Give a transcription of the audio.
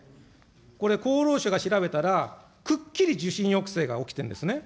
これ、厚労省が調べたら、くっきり受診抑制が起きているんですね。